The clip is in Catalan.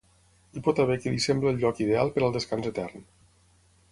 Hi pot haver qui li sembli el lloc ideal per al descans etern.